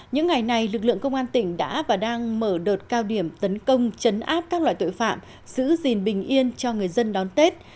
những ngày này lực lượng công an tỉnh đã và đang mở đợt cao điểm tấn công chấn áp các loại tội phạm giữ gìn bình yên cho người dân đón tết